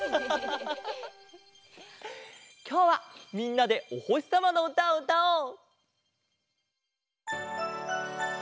きょうはみんなでおほしさまのうたをうたおう！